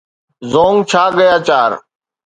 زونگ چا گيا چار